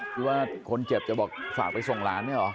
คือว่าคนเจ็บจะบอกฝากไปส่งหลานเนี่ยเหรอ